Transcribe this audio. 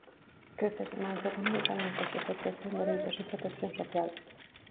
Crécese máis economicamente se se crece en dereitos e protección social.